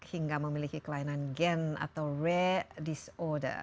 hingga memiliki kelainan gen atau re disorder